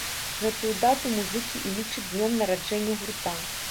Гэтую дату музыкі і лічаць днём нараджэння гурта.